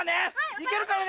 行けるからね！